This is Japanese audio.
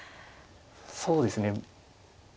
そうですね。